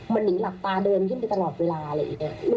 มันนิงหลับตาเดินขึ้นไปตลอดเวลาอะไรอย่างนี้